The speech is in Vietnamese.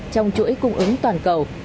trong chuỗi cung ứng toàn cầu